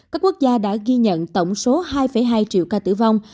các quốc gia đã ghi nhận tổng số hai hai triệu ca tử vong